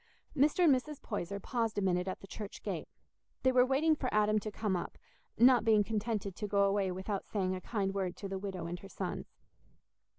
Mr. and Mrs. Poyser paused a minute at the church gate: they were waiting for Adam to come up, not being contented to go away without saying a kind word to the widow and her sons.